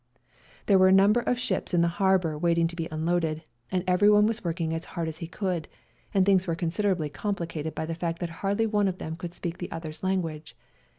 There were a number of ships in the harbour waiting to be unloaded, and everyone was working as hard as he could, and things were considerably com plicated by the fact that hardly one of them could speak the other's language.